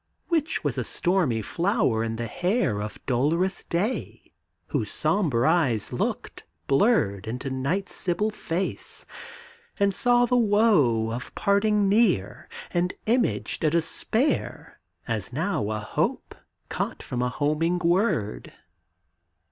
Which was a stormy flower in the hair Of dolorous day, whose sombre eyes looked, blurred, Into night's sibyl face, and saw the woe Of parting near, and imaged a despair, As now a hope caught from a homing word.